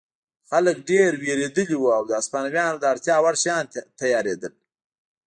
خلک ډېر وېرېدلي وو او د هسپانویانو د اړتیا وړ شیان تیارېدل.